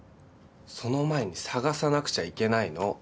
その前に捜さなくちゃいけないの。